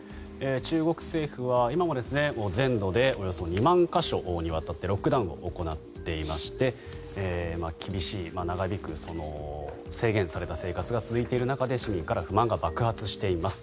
中国政府は今も全土でおよそ２万か所にわたってロックダウンを行っていまして厳しい、長引く制限された生活が続いている中で市民から不満が爆発しています。